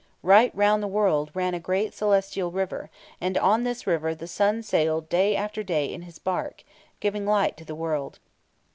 Right round the world ran a great celestial river, and on this river the sun sailed day after day in his bark, giving light to the world.